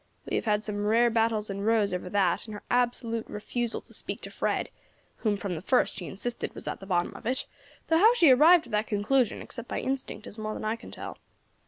We have had some rare battles and rows over that and her absolute refusal to speak to Fred, whom from the first she insisted was at the bottom of it, though how she arrived at that conclusion, except by instinct, is more than I can tell.